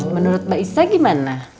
menurut mbak issa gimana